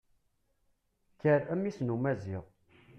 Kker, a mmi-s n umaziɣ!